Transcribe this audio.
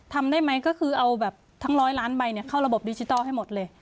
ทำได้ไหมก็คือเอาแบบทั้งร้อยล้านใบเข้าระบบดิจิทัลให้หมดเลย